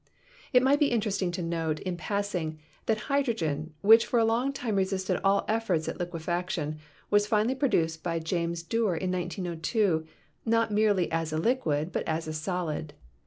It might be interesting to note, in passing, that hydro gen, which for a long time resisted all efforts at liquefac tion, was finally produced by James Dewar in 1902, not merely as a liquid but as a solid.